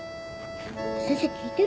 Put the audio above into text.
先生聞いてる？